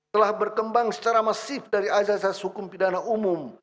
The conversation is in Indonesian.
telah berkembang secara masif dari azas hukum pidana umum